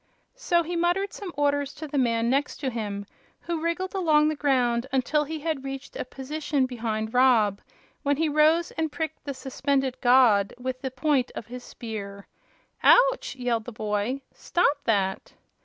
So he muttered some orders to the man next him, who wriggled along the ground until he had reached a position behind Rob, when he rose and pricked the suspended "god" with the point of his spear. "Ouch!" yelled the boy; "stop that!"